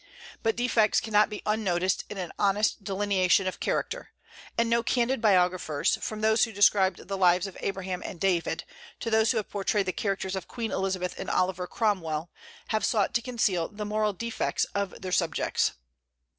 But defects cannot be unnoticed in an honest delineation of character; and no candid biographers, from those who described the lives of Abraham and David, to those who have portrayed the characters of Queen Elizabeth and Oliver Cromwell, have sought to conceal the moral defects of their subjects.